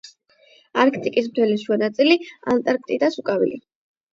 ანტარქტიკის მთელი შუა ნაწილი ანტარქტიდას უკავია.